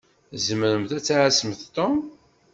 Tzemṛemt ad tɛassemt Tom?